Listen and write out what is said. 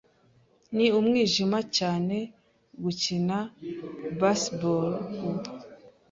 Ni umwijima cyane gukina baseball ubu.